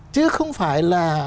chứ không phải là